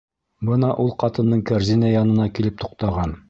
Бына ул ҡатындың кәрзине янына килеп туҡтаған.